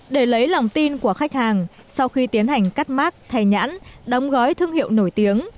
để lấy lòng tin của khách hàng sau khi tiến hành cắt mát thay nhãn đóng gói thương hiệu nổi tiếng